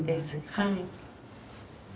はい。